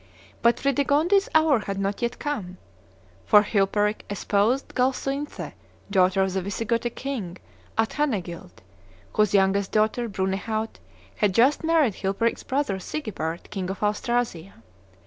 But Fredegonde's hour had not yet come; for Chilperic espoused Galsuinthe, daughter of the Visigothic king, Athanagild, whose youngest daughter, Brunehaut, had just married Chilperic's brother, Sigebert, king of Austrasia.